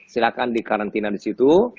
silahkan di karantina disitu